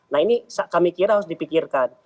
nah ini kami kira harus dipikirkan